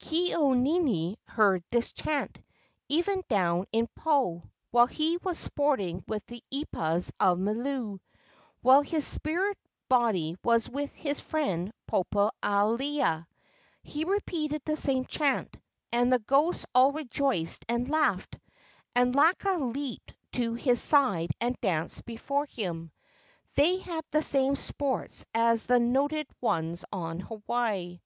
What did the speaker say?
Ke au nini heard this chant, even down in Po, while he was sporting with the eepas of Milu, while his spirit body was with his friend Popo alaea. He repeated the same chant, and the ghosts all rejoiced and laughed, and Laka leaped to his side and danced before him. They had the same sports as the noted ones on Hawaii.